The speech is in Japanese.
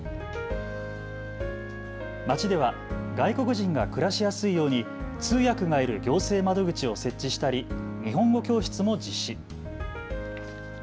町では外国人が暮らしやすいように通訳がいる行政窓口を設置したり日本語教室も実施。